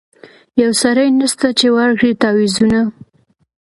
یو سړی نسته چي ورکړي تعویذونه